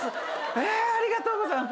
いやぁありがとうございます。